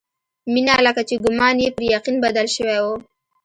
مينه لکه چې ګومان يې پر يقين بدل شوی و.